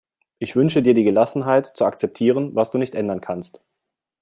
Ich wünsche dir die Gelassenheit, zu akzeptieren, was du nicht ändern kannst.